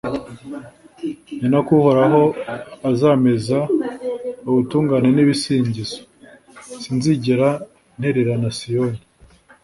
ni na ko uhoraho azameza ubutungane n’ibisingizo, sinzigera ntererana siyoni,